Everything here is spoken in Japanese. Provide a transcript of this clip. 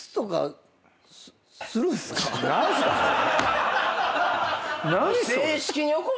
何すかそれ。